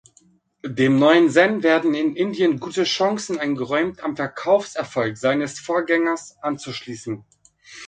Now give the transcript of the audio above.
Dem neuen Zen werden in Indien gute Chancen eingeräumt, am Verkaufserfolg seines Vorgängers anzuschließen.